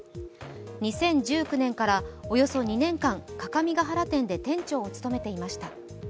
２０１９年からおよそ２年間各務原店で店長を務めていました。